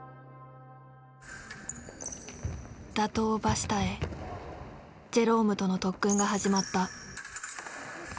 打倒バシタへジェロームとの特訓が始まった。